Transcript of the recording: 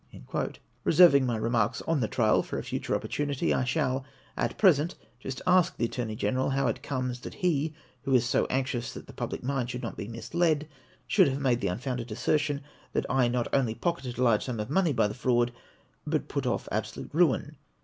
Eeserving my remarks on the trial for a future opportunity, I shall at present just ask the Attorney Greneral how it comes that he, who is so anxious that the public mind should not be misled, should have made the unfounded assertion, that I not only pocketed a large sum of money by the fraud, but put off absolute ruin